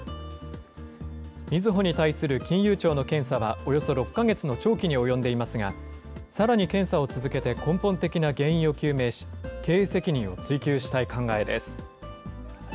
みずほに対する金融庁の検査は、およそ６か月の長期に及んでいますが、さらに検査を続けて根本的な原因を究明し、経営責任を追及したい考えです。